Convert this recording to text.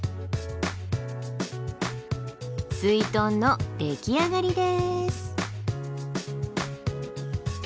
すいとんの出来上がりです。